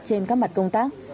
trên các mặt công tác